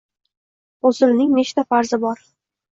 G‘uslning uchta farzi bor.